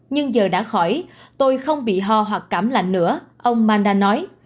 nhưng giờ đã khỏi tôi không bị ho hoặc cảm lạnh nữa ông manda nói